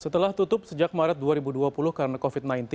setelah tutup sejak maret dua ribu dua puluh karena covid sembilan belas